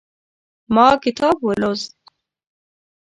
ما کتاب ولوست